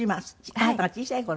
あなたが小さい頃ね。